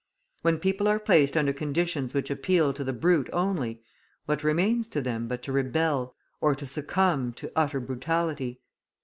When people are placed under conditions which appeal to the brute only, what remains to them but to rebel or to succumb to utter brutality?